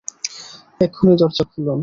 এক্ষুণি দরজা খুলুন।